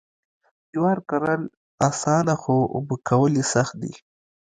جوار کرل اسانه خو اوبه کول یې سخت دي.